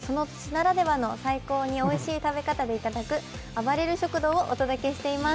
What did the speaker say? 本日は、あばれるさんが旬の食材をその土地ならではの最高においしい食べ方でいただく「あばれる食堂」をお届けしています。